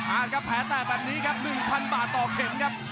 อ่านก็แพ้แต่แบบนี้ครับหนึ่งพันบาทต่อเข็งครับ